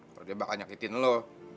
kalau dia bakal nyakitin lo